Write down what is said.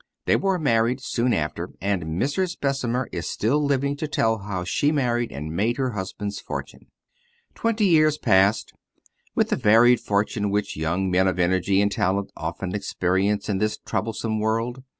They were married soon after, and Mrs. Bessemer is still living to tell how she married and made her husband's fortune. Twenty years passed, with the varied fortune which young men of energy and talent often experience in this troublesome world.